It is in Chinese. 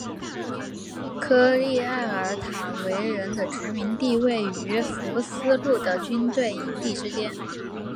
科利埃尔塔维人的殖民地位于福斯路的军队营地之间。